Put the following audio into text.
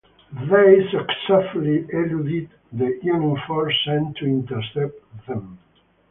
They successfully eluded the Union forces sent to intercept them.